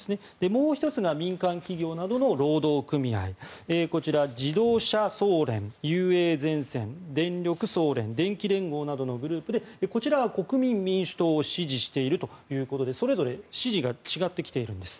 もう１つが民間企業などの労働組合自動車総連、ＵＡゼンセン電力総連、電機連合などのグループでこちらは国民民主党を支持しているということでそれぞれ支持が違ってきているんです。